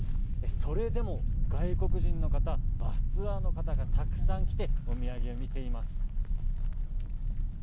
それでも外国人の方バスツアーの方がたくさん来てお土産を見ています。